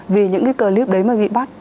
vì những cái clip đấy mà bị bắt